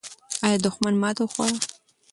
آیا دښمن ماته وخوړه؟